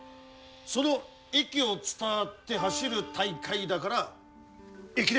その駅を伝って走る大会だから駅伝。